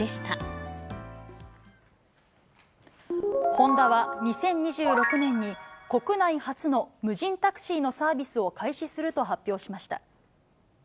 ホンダは、２０２６年に、国内初の無人タクシーのサービスを開始すると発表しました。